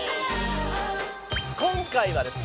今回はですね